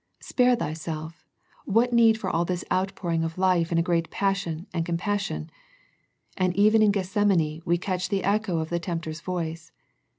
Spare Thyself, what need for all this outpouring of life in a great passion and compassion. And even in Gethsemane we catch the echo of the tempter's voice.